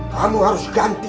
kamu harus ganti